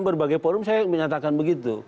berbagai forum saya menyatakan begitu